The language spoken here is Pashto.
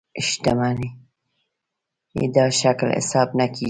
شتمنۍ دا شکل حساب نه کېږي.